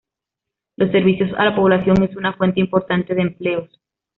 Los servicios a la población es una fuente importante de empleos.